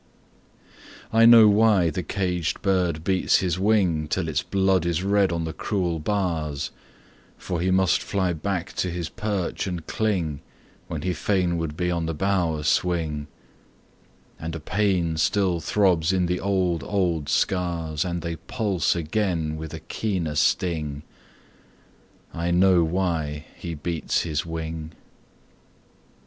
I know why the caged bird beats his wing Till its blood is red on the cruel bars; For he must fly back to his perch and cling When he fain would be on the bough a swing; And a pain still throbs in the old, old scars And they pulse again with a keener sting I know why he beats his wing!